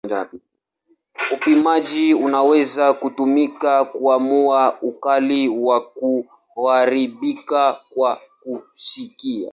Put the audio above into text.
Upimaji unaweza kutumika kuamua ukali wa kuharibika kwa kusikia.